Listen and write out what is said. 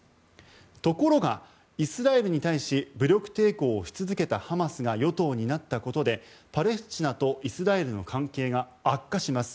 ところが、イスラエルに対し武力抵抗をし続けたハマスが与党になったことでパレスチナとイスラエルの関係が悪化します。